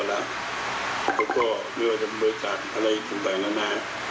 แล้วก็ด้วยบริการอะไรต่างแล้วนะ